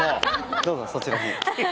どうぞそちらに。